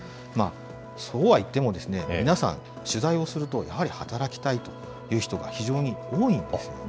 そうはいってもですね、皆さん、取材をすると、やはり働きたいという人が非常に多いんですよね。